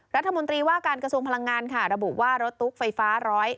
รัฐมนตรีว่าการกระทรวงพลังงานค่ะระบุว่ารถตุ๊กไฟฟ้า๑๐๑